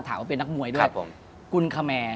ที่ผ่านมาที่มันถูกบอกว่าเป็นกีฬาพื้นบ้านเนี่ย